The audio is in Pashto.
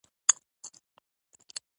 پیاز په سلاد کې زیات کارېږي